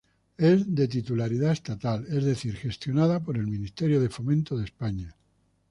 Es de titularidad estatal, es decir, gestionada por el Ministerio de Fomento de España.